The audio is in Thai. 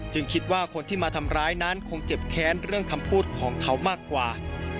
คิดว่าคนที่มาทำร้ายนั้นคงเจ็บแค้นเรื่องคำพูดของเขามากกว่า